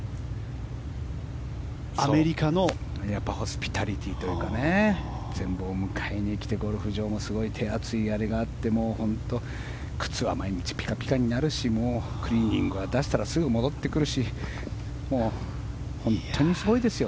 アメリカのホスピタリティーというかね迎えに来てゴルフ場もすごく手厚いあれがあってもう本当に靴は毎日ピカピカになるしクリーニングは出したらすぐに戻ってくるし本当にすごいですよ。